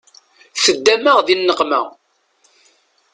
Teddam-aɣ di nneqma.